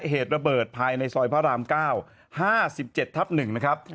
เหตุระเบิดภายในซอยพระรามเก้าห้าสิบเจ็ดทับหนึ่งนะครับ